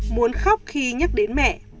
muốn khóc khi nhắc đến mẹ